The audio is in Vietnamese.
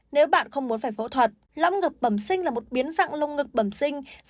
nếu bạn không muốn phải phẫu thuật lõng ngực bầm sinh là một biến dạng lông ngực bầm sinh